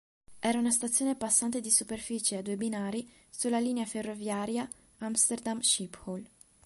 Era una stazione passante di superficie a due binari sulla linea ferroviaria Amsterdam-Schiphol.